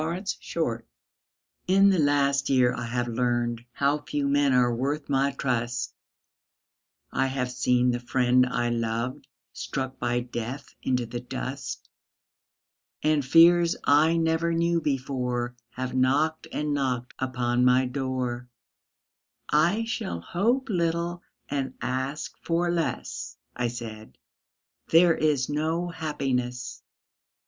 Red Maples In the last year I have learned How few men are worth my trust; I have seen the friend I loved Struck by death into the dust, And fears I never knew before Have knocked and knocked upon my door "I shall hope little and ask for less," I said, "There is no happiness."